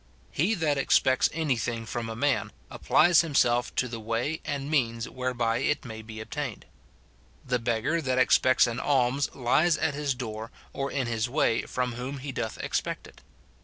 He that expects any thing from a man, applies himself to the way^ and means whereby it may be obtained. The beg gar that expects an alms lies at his door or in his way from whom he doth expect it.